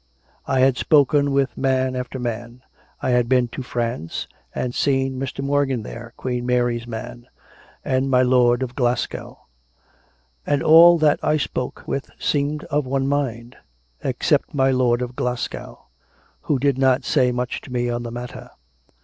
I had spoken with man after man; I had been to France, and seen Mr. Mor gan there. Queen Mary's man, and my lord of Glasgow; and all that I spoke with seemed of one mind — except my lord of Glasgow, who did not say much to me on the matter.